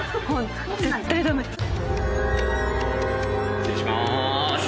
失礼しまーす。